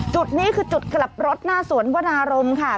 จุดนี้คือจุดกลับรถหน้าสวนวนารมค่ะ